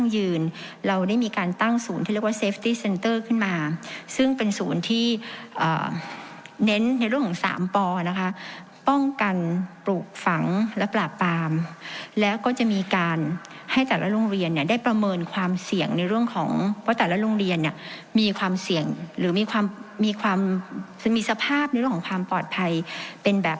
ยืนเราได้มีการตั้งศูนย์ที่เรียกว่าเซฟตี้เซ็นเตอร์ขึ้นมาซึ่งเป็นศูนย์ที่เน้นในเรื่องของสามปนะคะป้องกันปลูกฝังและปราบปามแล้วก็จะมีการให้แต่ละโรงเรียนเนี่ยได้ประเมินความเสี่ยงในเรื่องของว่าแต่ละโรงเรียนเนี่ยมีความเสี่ยงหรือมีความมีความมีสภาพในเรื่องของความปลอดภัยเป็นแบบ